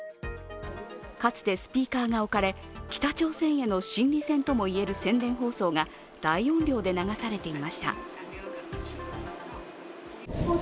かつてスピーカーが置かれ北朝鮮への心理戦とも言われる宣伝放送が大音量で流されていました。